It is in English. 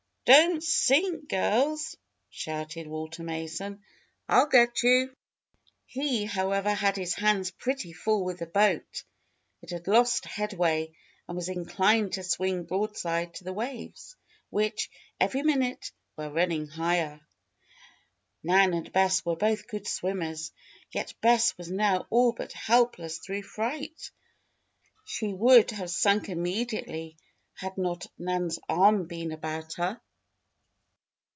"Don't sink, girls!" shouted Walter Mason. "I'll get you!" He, however, had his hands pretty full with the boat. It had lost headway and was inclined to swing broadside to the waves, which, every minute, were running higher. Nan and Bess were both good swimmers; yet Bess was now all but helpless through fright. She would have sunk immediately had not Nan's arm been about her.